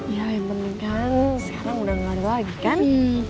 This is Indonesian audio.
ya yang penting kan sekarang udah gak ada lagi kan